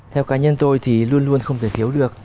theo cá nhân tôi thì luôn luôn không thể thiếu được